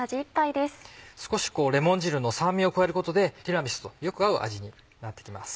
少しこうレモン汁の酸味を加えることでティラミスとよく合う味になって来ます。